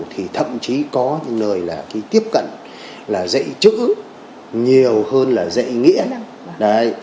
thì thậm chí có những nơi là cái tiếp cận là dạy chữ nhiều hơn là dạy nghĩa